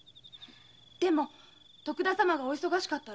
でも徳田様がお忙しかったら？